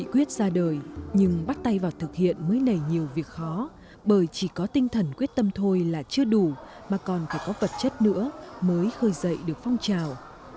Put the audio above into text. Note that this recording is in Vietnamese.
quyết ra đời nhưng bắt tay vào thực hiện mới nảy nhiều việc khó bởi chỉ có tinh thần quyết tâm thôi là chưa đủ mà còn phải có vật chất nữa mới khơi dậy được phong trào